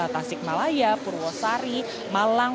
tasik malaya purwosari malang